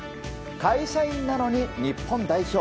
会社員なのに日本代表。